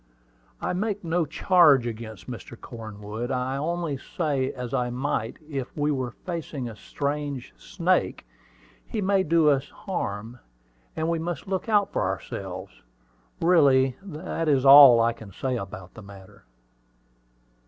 "I make no charge against Cornwood; I only say, as I might if we were facing a strange snake, he may do us harm, and we must look out for ourselves. Really, that is all I can say about the matter."